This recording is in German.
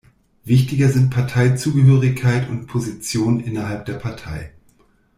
Wichtiger sind Parteizugehörigkeit und Position innerhalb der Partei.